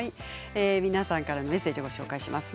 皆さんからのメッセージをご紹介します。